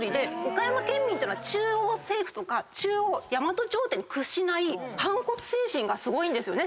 岡山県民っていうのは中央政府とか大和朝廷に屈しない反骨精神がすごいんですよね。